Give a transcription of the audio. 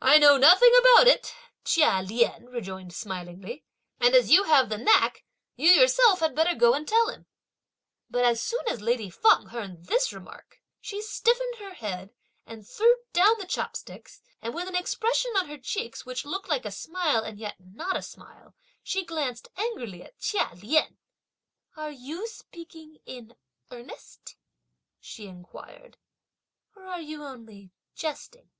"I know nothing about it," Chia Lien rejoined smilingly, "and as you have the knack you yourself had better go and tell him!" But as soon as lady Feng heard this remark, she stiffened her head and threw down the chopsticks; and, with an expression on her cheeks, which looked like a smile and yet not a smile, she glanced angrily at Chia Lien. "Are you speaking in earnest," she inquired, "or are you only jesting?"